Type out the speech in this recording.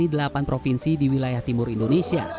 di delapan provinsi di wilayah timur indonesia